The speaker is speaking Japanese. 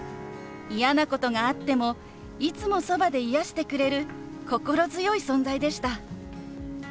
嫌なことがあってもいつもそばで癒やしてくれる心強い存在でした。